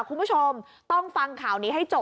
คุณผู้ชมต้องฟังข่าวนี้ให้จบ